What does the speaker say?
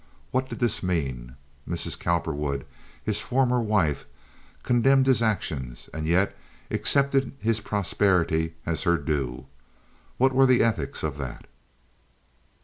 What did this mean? Mrs. Cowperwood, his former wife, condemned his actions, and yet accepted of his prosperity as her due. What were the ethics of that?